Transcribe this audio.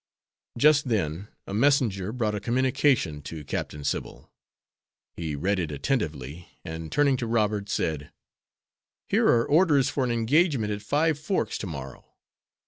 '" Just then a messenger brought a communication to Captain Sybil. He read it attentively, and, turning to Robert, said, "Here are orders for an engagement at Five Forks to morrow.